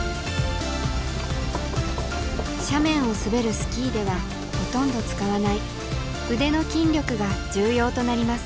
斜面を滑るスキーではほとんど使わない腕の筋力が重要となります。